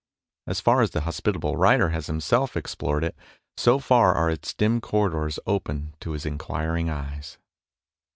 As far as the hospitable writer has himself explored it, so far are its dim corri dors open to his inquiring eyes.